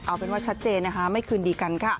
เอาเป็นว่าชัดเจนไม่คืนดีกัน